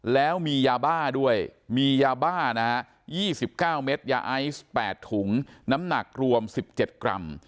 แล้วมียาบ้าด้วยมียาบ้านะฮะ๒๙เม็ดยาไอซ์๘ถุงน้ำหนักรวม๑๗กรัม